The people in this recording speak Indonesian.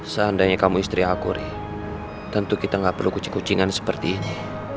seandainya kamu istri akuri tentu kita gak perlu kucing kucingan seperti ini